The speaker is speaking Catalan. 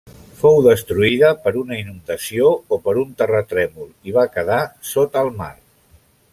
Fou destruïda per una inundació o per un terratrèmol i va quedar sota el mar.